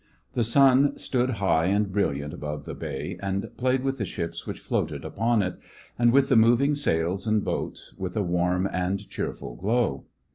The sun stood high and brilliant above the bay, and played with the ships which floated upon it, and with the moving sails and boats, with a warm and cheerful glow.